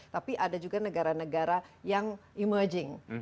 tapi ada juga negara negara yang emerging